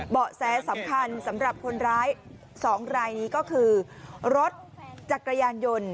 แสสำคัญสำหรับคนร้าย๒รายนี้ก็คือรถจักรยานยนต์